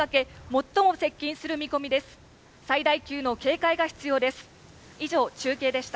最大級の警戒が必要です。